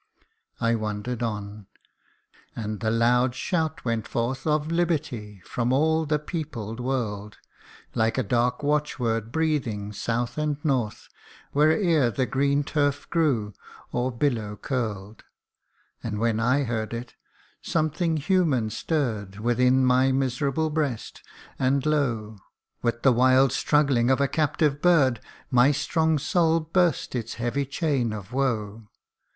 I wander'd on and the loud shout went forth Of Liberty, from all the peopled world, Like a dark watch word breathing south and north Where'er the green turf grew, or billow curl'd ; And when I heard it, something human stirr'd Within my miserable breast, and lo ! With the wild struggling of a captive bird, My strong soul burst its heavy chain of woe.